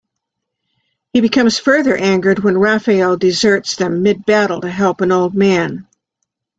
He becomes further angered when Raphael deserts them mid-battle to help an old man.